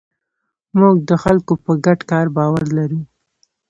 موږ د خلکو په ګډ کار باور لرو.